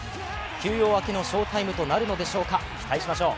休養明けの翔タイムとなるのでしょうか、期待しましょう。